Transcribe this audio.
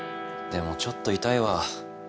でもちょっと痛いわ。